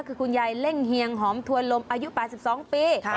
คือคุณยายเล่งเฮียงหอมถวนลมอายุ๘๒ปี